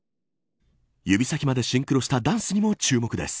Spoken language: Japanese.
指先までシンクロしたダンスにも注目です。